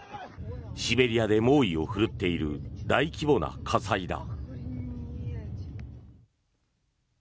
シベリアで猛威を振るっている大規模な火災だ。